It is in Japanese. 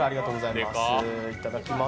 いただきます。